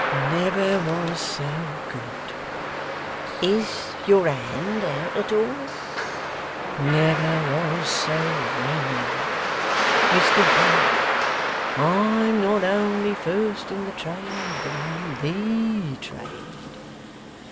'Never was so good.' 'Is your hand out at all?' 'Never was so well in. Mr Wegg, I'm not only first in the trade, but I'm THE trade.